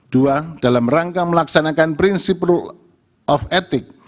dua dalam rangka melaksanakan prinsip of etik